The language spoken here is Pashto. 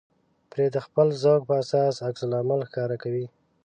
پرې د خپل ذوق په اساس عکس العمل ښکاره کوي.